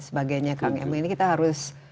sebagainya kang emil ini kita harus